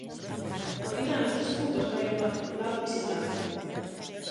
Ao final, os tres puntos caeron ao lado visitante.